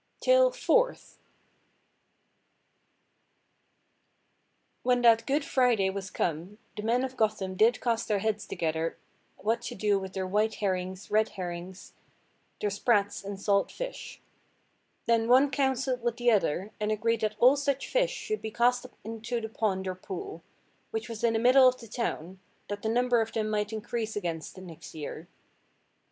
TALE FOURTH. When that Good Friday was come the men of Gotham did cast their heads together what to do with their white herrings, red herrings, their sprats, and salt fish. Then one counselled with the other, and agreed that all such fish should be cast into the pond or pool, which was in the middle of the town, that the number of them might increase against the next year.